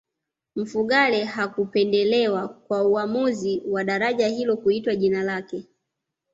mfugale hakupendelewa kwa uamuzi wa daraja hilo kuitwa jina lake